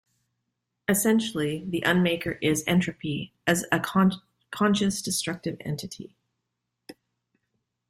Essentially, the Unmaker is entropy as a conscious, destructive entity.